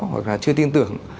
hoặc là chưa tin tưởng